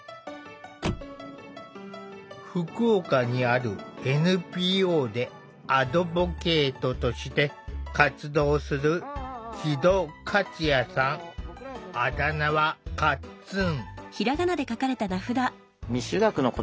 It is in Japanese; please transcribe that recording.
福岡にあるＮＰＯでアドボケイトとして活動するあだ名はかっつん。